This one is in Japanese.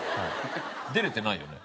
出れてないよね？